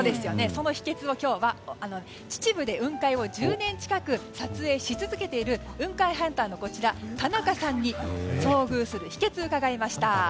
その秘訣を今日は秩父で雲海を１０年近く撮影し続けている雲海ハンターの田中さんに遭遇する秘訣を伺いました。